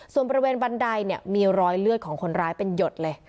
ส่วนบริเวณบันไดเนี่ยมีรอยเลือดของคนร้ายเป็นหยดเลย